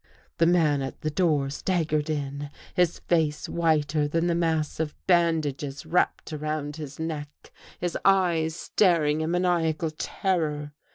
The man at the door staggered in, his face whiter 227 THE GHOST GIRL than the mass of bandages wrapped around his neck, his eyes staring in maniacal terror.